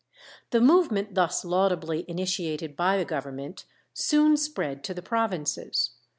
The movement thus laudably initiated by the Government soon spread to the provinces.